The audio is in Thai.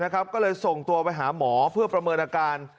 ก็เลยส่งตัวไปหาหมอเพื่อประเมินอาการ